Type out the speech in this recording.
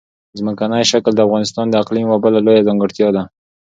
ځمکنی شکل د افغانستان د اقلیم یوه بله لویه ځانګړتیا ده.